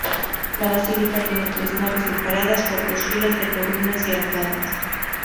La basílica tiene tres naves separadas por dos filas de columnas y arcadas.